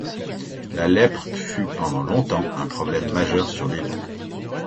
La lèpre fut pendant longtemps un problème majeur sur l’île.